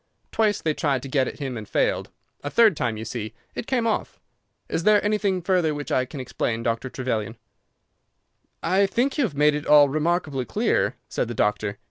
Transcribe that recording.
Twice they tried to get at him and failed; a third time, you see, it came off. Is there anything further which I can explain, Dr. Trevelyan?" "I think you have made it all remarkably clear," said the doctor.